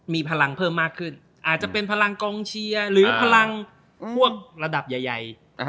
มีพลังเพิ่มมากขึ้นอาจจะเป็นพลังกองเชียร์หรือพลังพวกระดับใหญ่